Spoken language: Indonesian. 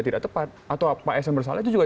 tidak tepat atau pak sn bersalah itu juga